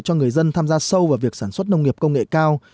cho người dân tham gia sâu vào việc sản xuất nông nghiệp công nghệ cao